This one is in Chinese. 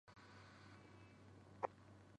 这个是冲浪板型的儿童踏板车。